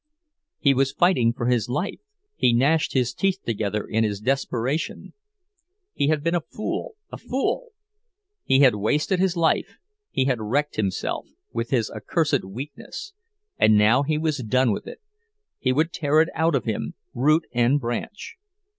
He was fighting for his life; he gnashed his teeth together in his desperation. He had been a fool, a fool! He had wasted his life, he had wrecked himself, with his accursed weakness; and now he was done with it—he would tear it out of him, root and branch!